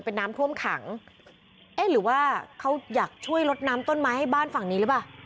เป็นน้ำท่วมขังเอ๊ะหรือว่าเขาอยากช่วยลดน้ำต้นไม้ให้บ้านฝั่งนี้หรือเปล่า